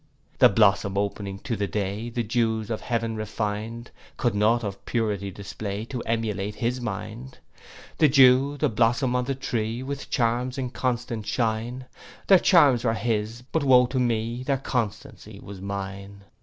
'The blossom opening to the day, The dews of heaven refin'd, Could nought of purity display, To emulate his mind. 'The dew, the blossom on the tree, With charms inconstant shine; Their charms were his, but woe to me, Their constancy was mine.